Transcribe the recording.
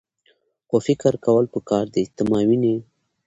خو فکر کول پکار دي . ته ماوینې؟